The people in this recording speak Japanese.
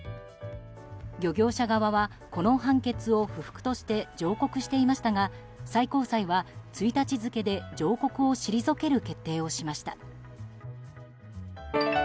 漁業者側はこの判決を不服として上告していましたが最高裁は１日付で上告を退ける決定をしました。